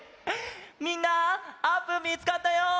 みんなあーぷんみつかったよ！